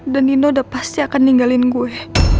dan nino udah pasti akan ninggalin gue